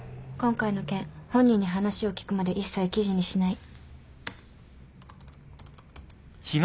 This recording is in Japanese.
今回の件本人に話を聞くまで一切記事にしない。